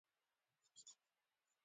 د برېټانیا ټاپوګان په سیمه کې پیاده شوې.